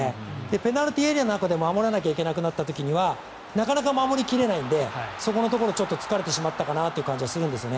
ペナルティーエリアの中で守らないといけなくなった時はなかなか守り切れないのでそこを突かれてしまったかなという感じがするんですよね。